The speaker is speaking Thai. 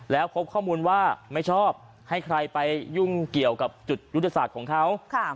แล้วพบข้อมูลว่าไม่ชอบให้ใครไปยุ่งเกี่ยวกับจุดยุทธศาสตร์ของเขา